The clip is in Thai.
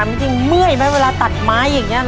จริงเมื่อยไหมเวลาตัดไม้อย่างนี้